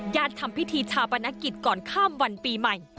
ญาติทำพิธีชาวบรรณกิจก่อนข้ามวันปีใหม่